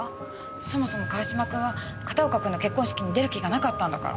そもそも川島君は片岡君の結婚式に出る気がなかったんだから。